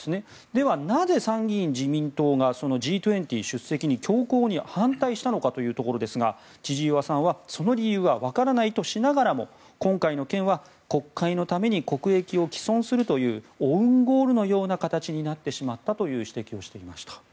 では、なぜ参議院自民党がＧ２０出席に強硬に反対したのかというところですが千々岩さんは、その理由はわからないとしながらも今回の件は、国会のために国益を毀損するというオウンゴールのような形になってしまったという指摘をしていました。